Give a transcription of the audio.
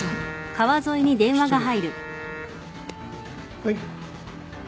はい。